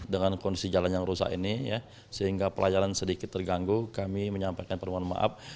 dengan kondisi jalan yang rusak ini sehingga pelajaran sedikit terganggu kami menyampaikan permohonan maaf